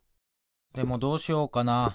でもどうしようかな。